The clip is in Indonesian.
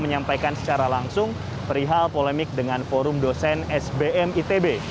menyampaikan secara langsung perihal polemik dengan forum dosen sbm itb